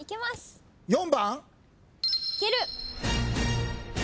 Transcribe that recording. ４番？